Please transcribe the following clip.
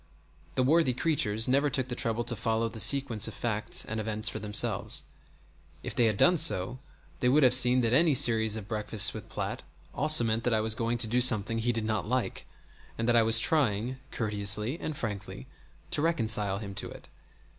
The worthy creatures never took the trouble to follow the sequence of facts and events for themselves. If they had done so they would have seen that any series of breakfasts with Platt always meant that I was going to do something he did not like, and that I was trying, courteously and frankly, to reconcile him to it.